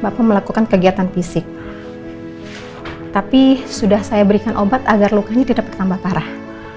bapak melakukan kegiatan fisik tapi sudah saya berikan obat agar lukanya tidak bertambah parah